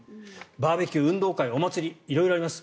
バーベキュー、運動会、お祭り色々あります。